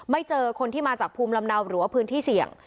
เจอคนที่มาจากภูมิลำเนาหรือว่าพื้นที่เสี่ยง